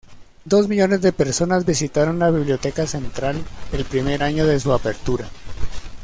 Dos millones de personas visitaron la Biblioteca Central el primer año de su apertura.